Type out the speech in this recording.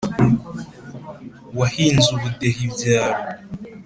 Wahinze ubudehe ibyaro.